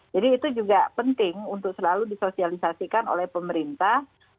jadi itu juga penting untuk selalu disosialisasikan oleh pemerintah